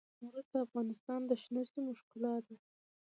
زمرد د افغانستان د شنو سیمو ښکلا ده.